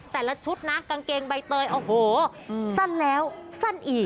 แต่ละชุดนะกางเกงใบเตยโอ้โหสั้นแล้วสั้นอีก